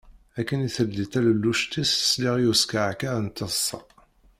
Akken teldi talelluct-is, sliɣ i uskeεkeε n teṭsa.